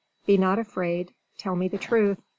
Be not afraid: tell me the truth.